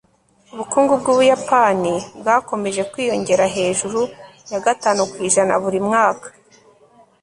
ubukungu bw'ubuyapani bwakomeje kwiyongera hejuru yagatanu kw'ijana buri mwaka